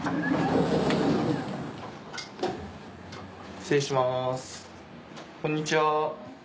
失礼します。